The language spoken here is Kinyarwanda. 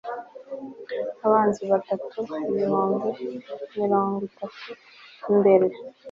Abanzi batatu ibihumbi mirongo itatu mbere